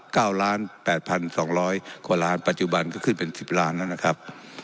เก้าล้านแปดพันสองร้อยกว่าล้านปัจจุบันก็ขึ้นเป็นสิบล้านแล้วนะครับ